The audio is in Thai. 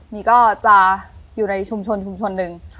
มีก็จะอยู่ในชุมชนหนึ่ง